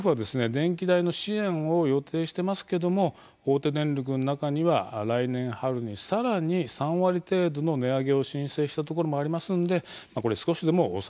電気代の支援を予定してますけども大手電力の中には来年春に更に３割程度の値上げを申請したところもありますのでこれ少しでも抑えたいところですよね。